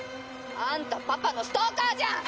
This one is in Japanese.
あんたパパのストーカーじゃん！